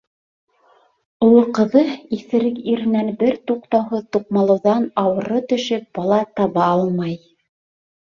Оло ҡыҙы, иҫерек иренән бер туҡтауһыҙ туҡмалыуҙан ауыры төшөп, бала таба алмай.